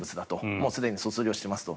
もうすでに卒業していますと。